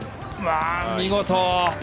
見事！